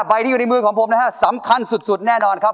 ใบที่อยู่ในมือของผมนะฮะสำคัญสุดแน่นอนครับ